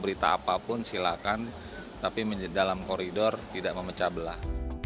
berita apapun silakan tapi dalam koridor tidak memecah belah